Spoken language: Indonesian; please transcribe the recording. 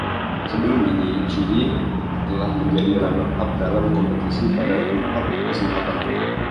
Sebelum ini, Chili telah menjadi runner-up dalam kompetisi pada empat kesempatan.